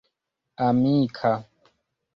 amika